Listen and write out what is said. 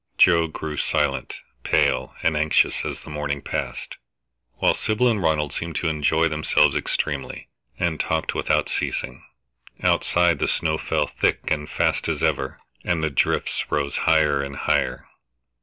Joe grew silent, pale, and anxious as the morning passed, while Sybil and Ronald seemed to enjoy themselves extremely, and talked without ceasing. Outside the snow fell thick and fast as ever, and the drifts rose higher and higher.